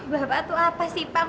bapak tuh apa sih pak